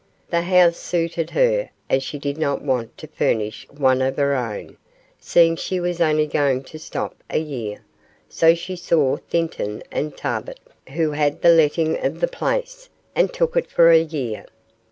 The house suited her, as she did not want to furnish one of her own, seeing she was only going to stop a year, so she saw Thinton and Tarbet, who had the letting of the place, and took it for a year.